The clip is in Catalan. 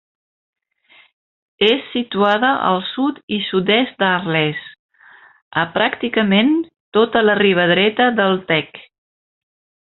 És situada al sud i sud-est d'Arles, a pràcticament tota la riba dreta del Tec.